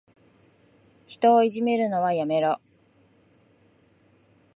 人をいじめるのはやめろ。